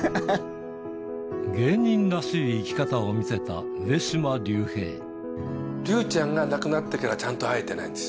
芸人らしい生き方を見せた上竜ちゃんが亡くなってから、ちゃんと会えてないんです。